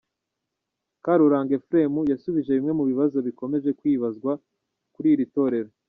Karuranga Ephraïm, yasubije bimwe mu bibazo bikomeje kwibazwa kuri iri torero.